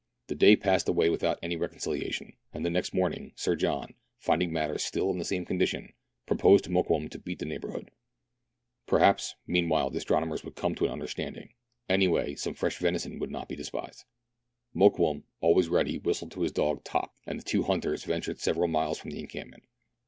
The day passed away without any reconciliation, and the next morning Sir John, finding matters still in the same condition, proposed to Mokoum to beat the neighbourhood. Perhaps meanwhile the astronomers would come to an understanding : any way, some fresh venison would not be despised. Mokoum, always ready, whistled to his dog Top, and the two hunters ventured several miles from the encampment.